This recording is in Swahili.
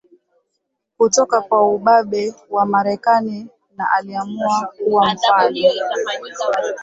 Kutoka kwa ubabe wa Marekani na Aliamua kuwa mfano